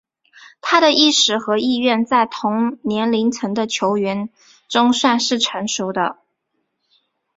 他的意识和意愿在同年龄层的球员中算是成熟的。